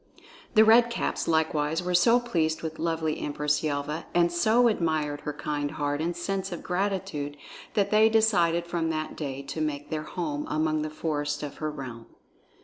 The Red Caps likewise were so pleased with lovely Empress Yelva and so admired her kind heart and sense of gratitude that they decided from that day to make their home among the forests of her realm.